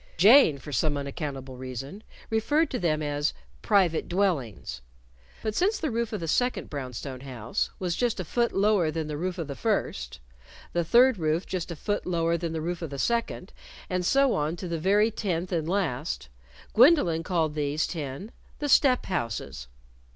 Jane, for some unaccountable reason, referred to them as private dwellings. But since the roof of the second brown stone house was just a foot lower than the roof of the first, the third roof just a foot lower than the roof of the second, and so on to the very tenth and last, Gwendolyn called these ten the step houses.